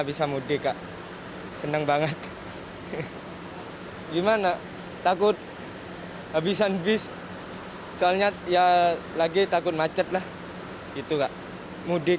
bisa mudik kak senang banget gimana takut habisan bis soalnya ya lagi takut macet lah itu kak mudik